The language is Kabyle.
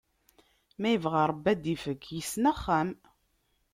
Ma ibɣa Ṛebbi ad d-ifk, yessen axxam.